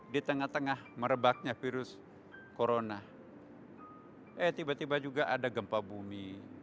di tengah tengah merebaknya virus corona eh tiba tiba juga ada gempa bumi